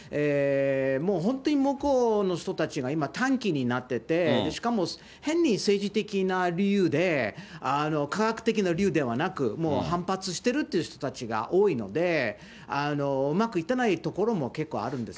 もう本当に向こうの人たちが今、短気になってて、しかも変に政治的な理由で、科学的な理由ではなく、もう反発してるという人たちが多いので、うまくいってないところも結構あるんですよ。